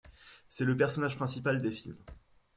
C'est le personnage principal des films.